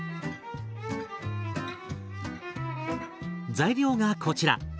材料がこちら。